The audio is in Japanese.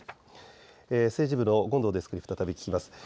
政治部の権藤デスクに再び聞きます。